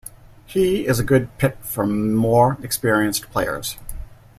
He is a good pick for more experienced players.